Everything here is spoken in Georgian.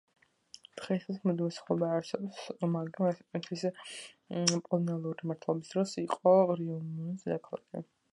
დღეისათვის მუდმივი მოსახლეობა არ არსებობს, მაგრამ ესპანეთის კოლონიალური მმართველობის დროს იყო რიო-მუნის დედაქალაქი.